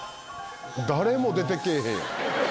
誰も出てけえへんやん。